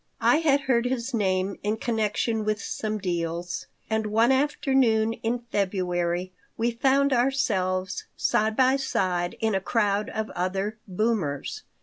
I had heard his name in connection with some deals, and one afternoon in February we found ourselves side by side in a crowd of other "boomers."